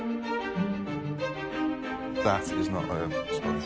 はい。